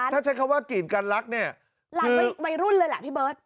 ถ้าใช้คำว่ากีดกันรักคือหลานวัยรุ่นเลยแหละพี่เบิ๊ศ